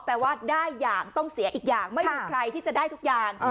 แปลว่าได้อย่างต้องเสียอีกอย่างไม่มีใครที่จะได้ทุกอย่าง